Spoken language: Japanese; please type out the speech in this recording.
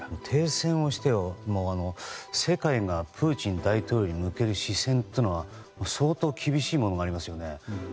停戦をしても、世界がプーチン大統領に向ける視線は相当厳しいものがありますよね。